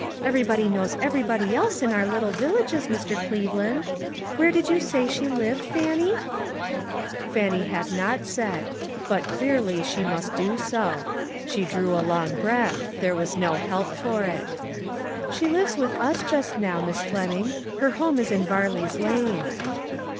Everybody knows everybody else in our little villages, Mr. Cleveland. Where did you say she lived, Fannie ?" Fannie had not said, but, clearly, she must do so. She drew a long breath ; there was no help for it. "She lives with us just now, Miss Flem ing ; her home is in Varley's Lane."